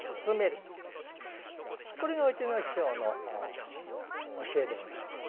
これがうちの師匠の教えでございます。